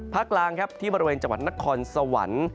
พระกลางที่บริเวณจังหวัดนครสวรรค์